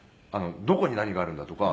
「どこに何があるんだとか」